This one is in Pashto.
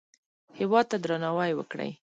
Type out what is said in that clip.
هېواد ته درناوی وکړئ